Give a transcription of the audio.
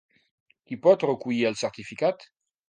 Qui pot recollir el certificat?